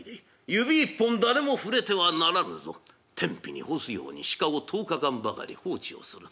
指一本誰も触れてはならぬぞ」と天日に干すように鹿を１０日間ばかり放置をする。